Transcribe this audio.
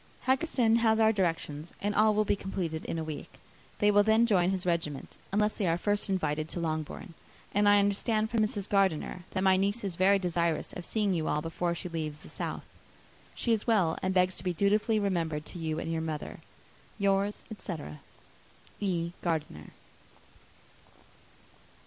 Haggerston has our directions, and all will be completed in a week. They will then join his regiment, unless they are first invited to Longbourn; and I understand from Mrs. Gardiner that my niece is very desirous of seeing you all before she leaves the south. She is well, and begs to be dutifully remembered to you and her mother. Yours, etc. "E. GARDINER."